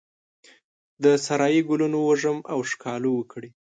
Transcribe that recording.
د سارایې ګلونو وږم او ښکالو وکرې